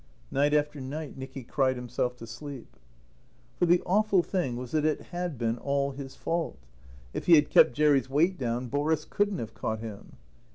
Night after night Nicky cried himself to sleep. For the awful thing was that it had been all his fault. If he had kept Jerry's weight down Boris couldn't have caught him.